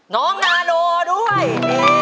น้องนาโนด้วย